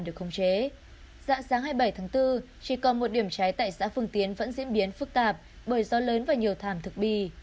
dạng sáng hai mươi bảy tháng bốn chỉ còn một điểm cháy tại xã phương tiến vẫn diễn biến phức tạp bởi gió lớn và nhiều thảm thực bi